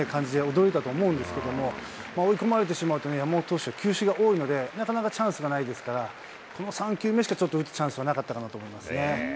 追い込まれてしまうと、山本投手は球種が多いので、なかなかチャンスがないですから、この３球目しか、ちょっと打つチャンスがなかったかなと思いますね。